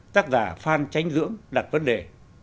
tác giả phan tránh dưỡng đặt vấn đề